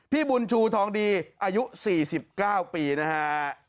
พี่บุญชูทองดีอายุ๔๙ปีนะฮะ